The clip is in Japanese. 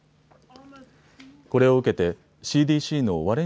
これを受けてＣＤＣのワレン